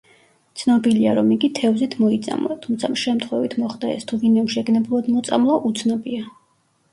ცნობილია, რომ იგი თევზით მოიწამლა, თუმცა შემთხვევით მოხდა ეს თუ ვინმემ შეგნებულად მოწამლა უცნობია.